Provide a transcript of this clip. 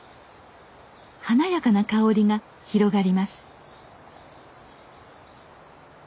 華やかな香りが広がります。